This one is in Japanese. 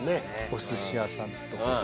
お寿司屋さんとか。